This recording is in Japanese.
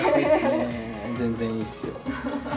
全然いいっすよ。